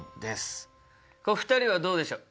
これ２人はどうでしょう。